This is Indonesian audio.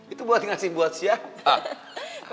itu buat ngasih buat siapa